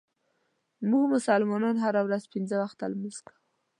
مونږ مسلمانان هره ورځ پنځه وخته لمونځ کوو.